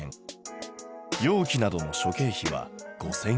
容器などの諸経費は５，０００円。